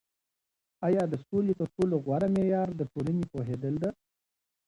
آیا د سولي تر ټولو غوره معیار د ټولني پوهیدل ده؟